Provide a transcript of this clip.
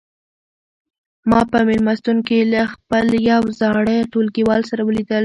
ما په مېلمستون کې له خپل یو زاړه ټولګیوال سره ولیدل.